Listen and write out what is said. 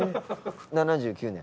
７９年？